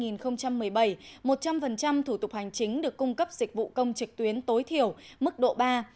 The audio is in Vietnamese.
năm hai nghìn một mươi bảy một trăm linh thủ tục hành chính được cung cấp dịch vụ công trực tuyến tối thiểu mức độ ba